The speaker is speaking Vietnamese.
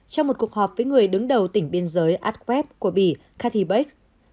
trong một cuộc họp với người đứng đầu tỉnh biên giới adweb của bỉ kathy beck